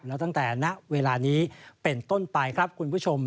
แล้วตั้งแต่ณเวลานี้เป็นต้นไปครับคุณผู้ชม